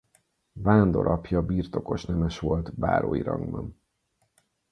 Vándor apja birtokos nemes volt bárói rangban.